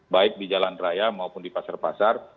baik di jalan raya maupun di pasar pasar